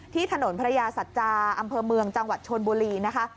ที่ถนนพระยาสัจจาอำเภอเมืองจังหวัดชนบุรีนะคะ